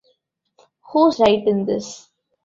Who's right in this?